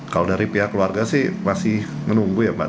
kalau dari pihak keluarga sih masih menunggu ya pak